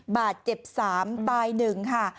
บาดเจ็บ๓ตาย๑ค่ะ